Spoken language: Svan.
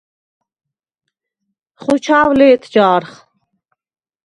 ხოჩა̄ვ ლე̄თ ჯა̄რხ!